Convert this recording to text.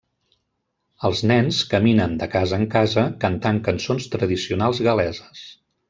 Els nens caminen de casa en casa, cantant cançons tradicionals gal·leses.